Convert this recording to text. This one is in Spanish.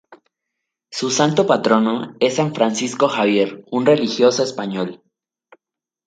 Su santo patrono es San Francisco Javier un religioso español.